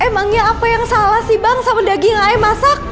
emangnya apa yang salah sih bang sama daging lain masak